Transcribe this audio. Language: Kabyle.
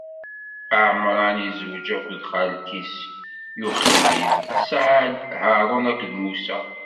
Ɛamṛam izweǧ akked xalti-s Yuxibid, tesɛa-as-d: Haṛun akked Musa.